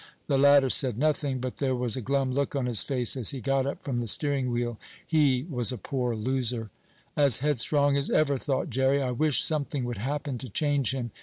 The latter said nothing, but there was a glum look on his face as he got up from the steering wheel. He was a poor loser. "As headstrong as ever," thought Jerry. "I wish something would happen to change him.